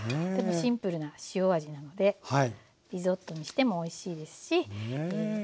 でもシンプルな塩味なのでリゾットにしてもおいしいですし。